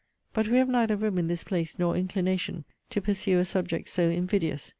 But we have neither room in this place, nor inclination, to pursue a subject so invidious.